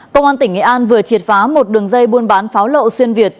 công an tỉnh nghệ an vừa triệt phá một đường dây buôn bán pháo lậu xuyên việt